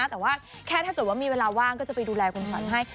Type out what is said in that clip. แต่ว่าแค่ถ้าเกิดว่ามีเวลาว่างก็จะไปดูแลคุณขวัญให้